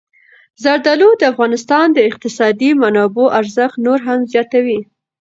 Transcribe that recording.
زردالو د افغانستان د اقتصادي منابعو ارزښت نور هم زیاتوي.